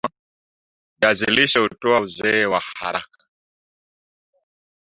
viazi lishe hutoa uzee waharaka